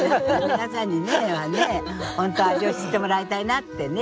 皆さんにねほんと味を知ってもらいたいなってね。